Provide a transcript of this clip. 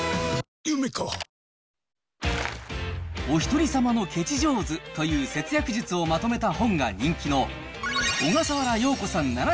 おひとりさまのケチじょうずという節約術をまとめた本が人気の小笠原洋子さん